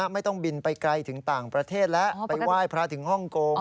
ไม่ต้องบินไปไกลถึงต่างประเทศแล้วไปไหว้พระถึงฮ่องกง